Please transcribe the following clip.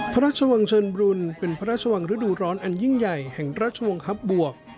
พระราชวังเชิญบรุนเป็นพระราชวังฤดูร้อนอันยิ่งใหญ่แห่งราชวงศ์ครับบวก